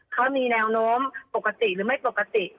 เขามีแนวโน้มปกติหรือไม่ปกติ